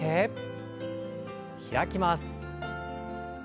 開きます。